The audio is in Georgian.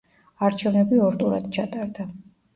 არჩევნები ორ ტურად ჩატარდა.